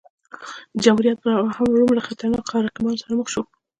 د جمهوریت پرمهال روم له خطرناکو رقیبانو سره مخ شو.